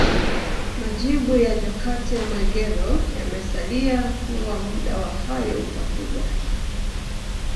Majibu ya Jokate Mwegelo yamesalia kuwa muda wa hayo utakuja